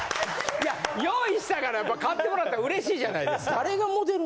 いや用意したからやっぱ買ってもらったら嬉しいじゃないですか。